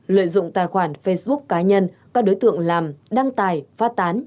lợi dụng tài khoản facebook cá nhân các đối tượng làm đăng tài phát tán